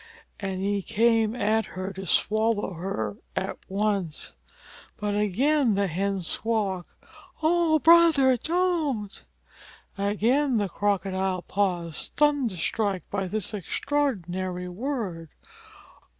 And he came at her to swallow her at once. But again the Hen squawked, "O Brother, don't!" Again the Crocodile paused, thunderstruck by this extraordinary word.